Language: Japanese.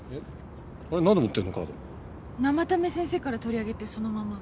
生田目先生から取り上げてそのまま。